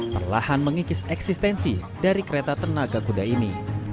perlahan mengikis eksistensi dari kereta tenaga kuda ini